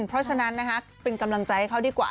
เพราะฉะนั้นนะคะเป็นกำลังใจให้เขาดีกว่า